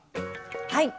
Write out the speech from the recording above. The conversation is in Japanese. はい。